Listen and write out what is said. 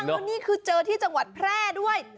แล้วนี่คือเจอที่จังหวัดแพร่ด้วย